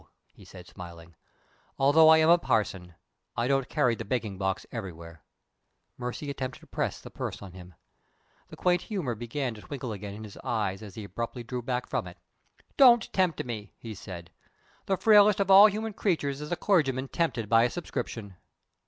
he said, smiling; "though I am a parson, I don't carry the begging box everywhere." Mercy attempted to press the purse on him. The quaint humor began to twinkle again in his eyes as he abruptly drew back from it. "Don't tempt me!" he said. "The frailest of all human creatures is a clergyman tempted by a subscription."